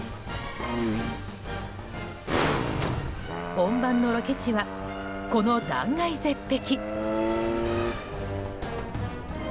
本番のロケ地は、この断崖絶壁。